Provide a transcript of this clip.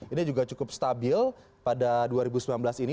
ini juga cukup stabil pada dua ribu sembilan belas ini